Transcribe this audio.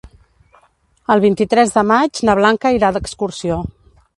El vint-i-tres de maig na Blanca irà d'excursió.